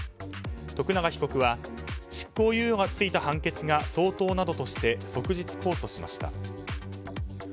徳永被告は執行猶予が付いた判決が相当などとして即日控訴しました。